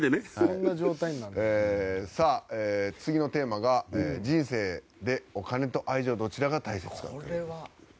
さあ、次のテーマが、人生でお金と愛情どちらが大切か。